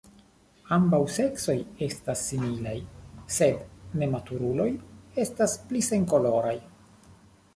Ambaŭ seksoj estas similaj, sed nematuruloj estas pli senkoloraj.